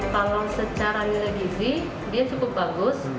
kalau secara nilai gizi dia cukup bagus